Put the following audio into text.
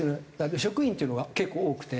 職員っていうのが結構多くて。